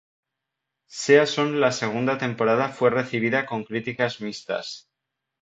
Season La segunda temporada fue recibida con críticas mixtas.